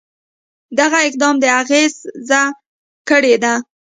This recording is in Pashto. دغه اقدام د اغېزه کړې ده.